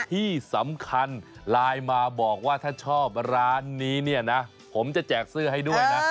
ที่สำคัญไลน์มาบอกว่าถ้าชอบร้านนี้เนี่ยนะผมจะแจกเสื้อให้ด้วยนะ